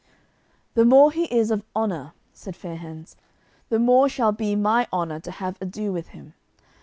"The more he is of honour," said Fair hands, "the more shall be my honour to have ado with him.